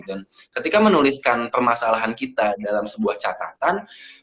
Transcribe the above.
dan ketika menuliskan permasalahan kita dalam sebuah catatan